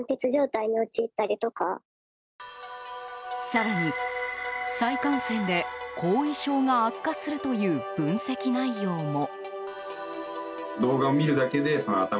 更に再感染で、後遺症が悪化するという分析内容も。